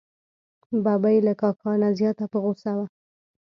ببۍ له کاکا نه زیاته په غوسه وه.